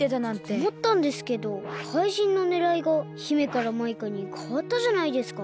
おもったんですけどかいじんのねらいが姫からマイカにかわったじゃないですか。